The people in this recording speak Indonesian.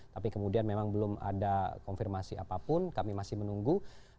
tapi kemudian memang belum ada konfirmasi apapun kami masih menunggu